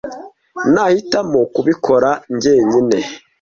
Nahitamo kubikora njyenyine.